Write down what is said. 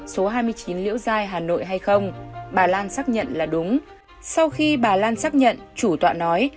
số hai mươi chín liễu giai hà nội hay không bà lan xác nhận là đúng sau khi bà lan xác nhận chủ tọa nói